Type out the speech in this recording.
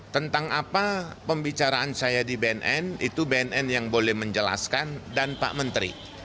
tentang apa pembicaraan saya di bnn itu bnn yang boleh menjelaskan dan pak menteri